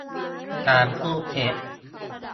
การพูดเท็จ